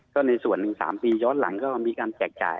ก็ในส่วนหนึ่ง๓ปีย้อนหลังก็มีการแจกจ่าย